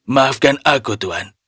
maafkan aku tuan